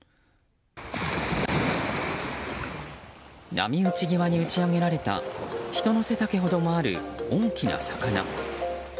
波打ち際に打ち揚げられた人の背丈ほどもある大きな魚。